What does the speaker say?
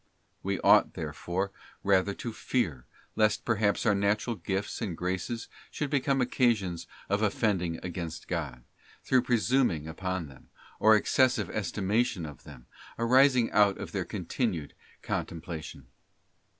We ought, therefore, rather to fear, lest perhaps our natural gifts and graces should become occasions of offending against God, through presuming upon them, or excessive estimation of them, arising out of their continued contemplation.